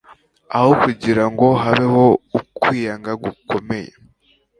aho kugira ngo habeho ukwiyanga gukomeye